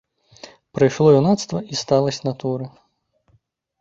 Прыйшло юнацтва і сталасць натуры.